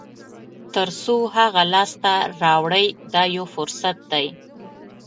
تر څو هغه لاسته راوړئ دا یو فرصت دی.